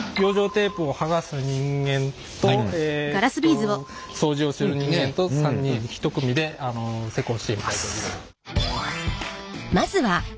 テープを剥がす人間と掃除をする人間と３人一組で施工しています。